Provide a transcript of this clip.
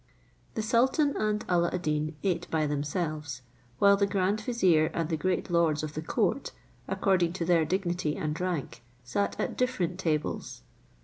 The sultan and Alla ad Deen ate by themselves, while the grand vizier and the great lords of the court, according to their dignity and rank, sat at different tables.